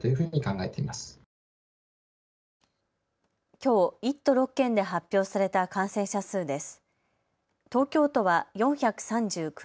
きょう１都６県で発表された感染者数です。